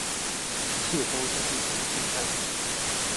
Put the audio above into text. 一切都像是重新开始